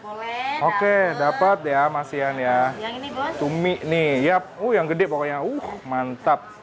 boleh dapat oke dapat ya masian ya cumi nih yap uh yang gede pokoknya uh mantap